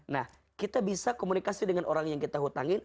nah kita bisa komunikasi dengan orang yang kita hutangin